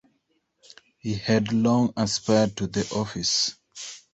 He had long aspired to the office.